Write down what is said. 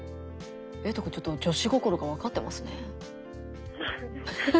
えいとくんちょっと女子心が分かってますね。